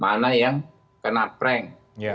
mana yang kena prank